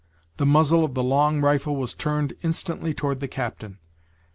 The muzzle of the long rifle was turned instantly toward the captain.